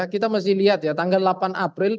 kita masih lihat ya tanggal delapan april